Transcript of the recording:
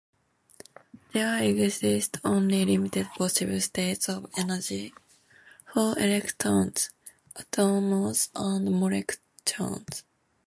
There exist only limited possible states of energy for electrons, atoms and molecules.